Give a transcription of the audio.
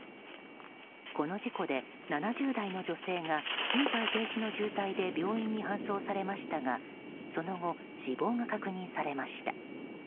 この事故で７０代の女性が心肺停止の状態で病院に搬送されましたがその後、死亡が確認されました。